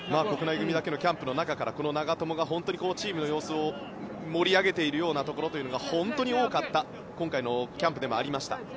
国内組だけのキャンプから長友が本当にチームの様子を盛り上げているようなところが本当に多かった今回のキャンプでもありました。